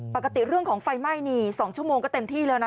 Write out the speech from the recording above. เรื่องของไฟไหม้นี่๒ชั่วโมงก็เต็มที่แล้วนะ